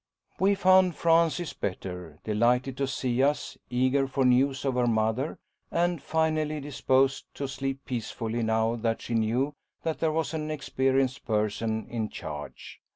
We found Frances better, delighted to see us, eager for news of her mother, and, finally, disposed to sleep peacefully now that she knew that there was an experienced person in charge.